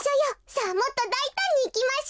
さあもっとだいたんにいきましょ！